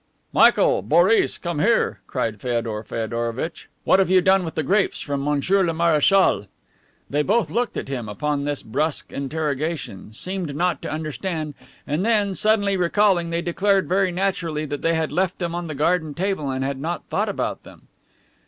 "Michael! Boris! Come here," cried Feodor Feodorovitch. "What have you done with the grapes from monsieur le marechal?" They both looked at him upon this brusque interrogation, seemed not to understand, and then, suddenly recalling, they declared very naturally that they had left them on the garden table and had not thought about them.